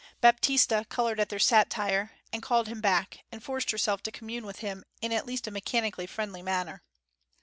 Baptista coloured at their satire, and called him back, and forced herself to commune with him in at least a mechanically friendly manner.